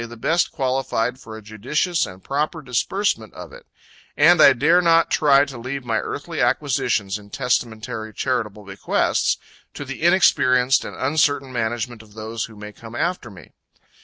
_) the best qualified for a judicious and proper disbursement of it; and I dare not try to leave my earthly acquisitions in testamentary charitable bequests to the inexperienced and uncertain management of those who may come after me.